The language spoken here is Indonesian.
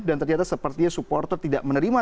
dan ternyata seperti supporter tidak menerima